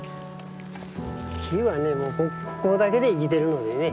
木はここだけで生きてるのでね。